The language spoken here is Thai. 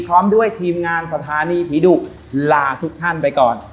พร้อมด้วยทีมงานสถานีผีดุลาทุกท่านไปก่อน